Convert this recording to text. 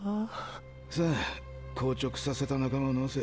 さぁ硬直させた仲間を治せ。